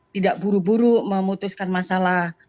tidak buru buru memutuskan masalah